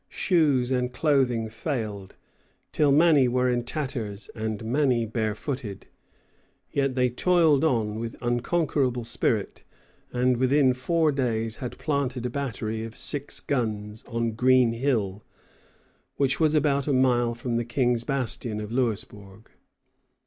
Shoes and clothing failed, till many were in tatters and many barefooted; [Footnote: Pepperrell to Newcastle, 28 June, 1745.] yet they toiled on with unconquerable spirit, and within four days had planted a battery of six guns on Green Hill, which was about a mile from the King's Bastion of Louisbourg.